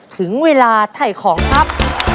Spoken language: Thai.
ถึงเวลาถ่ายของครับ